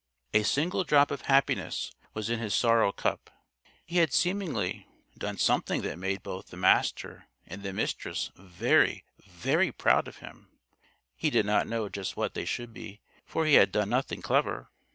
A single drop of happiness was in his sorrow cup. He had, seemingly, done something that made both the Master and the Mistress very, very proud of him. He did not know just why they should be for he had done nothing clever.